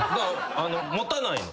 持たないの。